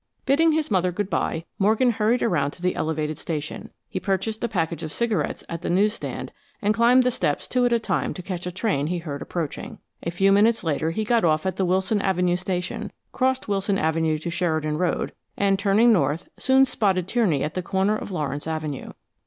Bidding his mother good bye, Morgan hurried around to the elevated station. He purchased a package of cigarettes at the news stand, and climbed the steps two at a time to catch a train he heard approaching. A few minutes later he got off at the Wilson Avenue station, crossed Wilson Avenue to Sheridan Road, and turning north soon spotted Tierney at the corner of Lawrence Avenue.